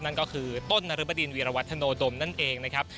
นั่นก็คือต้นนรบดินวีรวัฒโนดมนั่นเองนะครับ